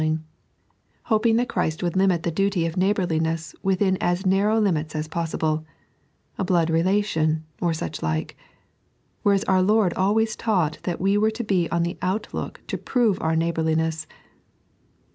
29), hoping that Christ would limit the duty of neighbourli nesa within as narrow limits as possible — a blood relation, or such like ; whereas our Lord always taught that we were to be on the outlook to prove our neighbourliness.